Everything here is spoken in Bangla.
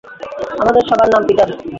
আমাদের সবার নাম পিটার।